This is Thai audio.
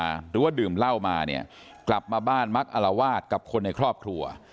หรือว่าดื่มเหล้ามาเนี่ยกลับมาบ้านมักอลวาดกับคนในครอบครัว